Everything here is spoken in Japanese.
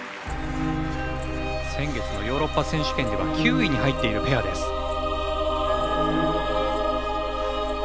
先月のヨーロッパ選手権では９位に入っているペアです。